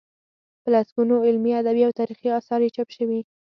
په لسګونو علمي، ادبي او تاریخي اثار یې چاپ شوي.